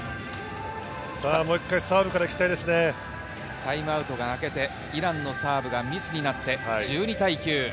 タイムアウトがあけてイランのサーブがミスになって１２対９。